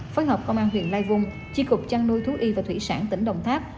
phối hợp công an huyện lai vung chi cục chăn nuôi thú y và thủy sản tỉnh đồng tháp